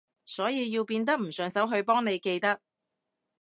所以要變得唔順手去幫你記得